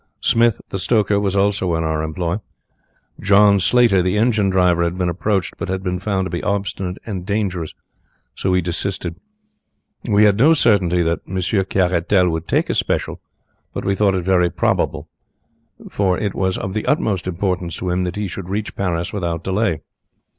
Smith, the stoker, was also in our employ. John Slater, the engine driver, had been approached, but had been found to be obstinate and dangerous, so we desisted. We had no certainty that Monsieur Caratal would take a special, but we thought it very probable, for it was of the utmost importance to him that he should reach Paris without delay.